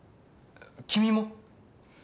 君も？